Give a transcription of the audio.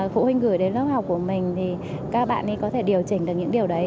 phụ huynh gửi đến lớp học của mình thì các bạn ấy có thể điều chỉnh được những điều đấy